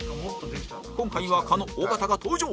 今回は狩野尾形が登場